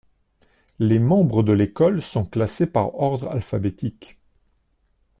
Les membres de l'école sont classés par ordre alphabétique.